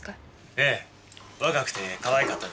ええ若くてかわいかったですからね。